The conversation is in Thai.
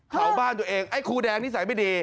เผาบ้านตัวเองไอ้ครูแดงนิสัยไม่ดี